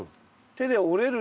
手で折れる。